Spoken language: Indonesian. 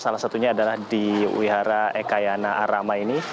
salah satunya adalah di wihara ekayana arama ini